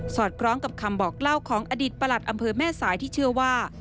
อดคล้องกับคำบอกเล่าของอดีตประหลัดอำเภอแม่สายที่เชื่อว่า